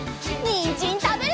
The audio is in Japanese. にんじんたべるよ！